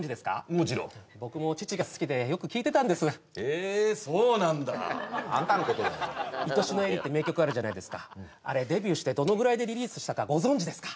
もちろん僕も父が好きでよく聴いてたんですへえそうなんだあんたのことだよ「いとしのエリー」って名曲あるじゃないですかあれデビューしてどのぐらいでリリースしたかご存じですか？